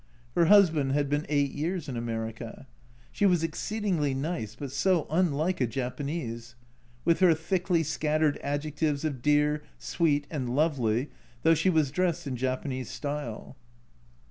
Her husband had been eight years in America. She was exceedingly nice, but so unlike a Japanese ! with her thickly scattered adjectives of "dear," " sweet," and " lovely," though she was dressed in Japanese style.